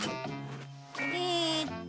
えっと。